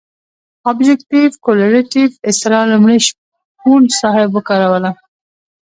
ابجګټف کورلیټف اصطلاح لومړی شپون صاحب وکاروله.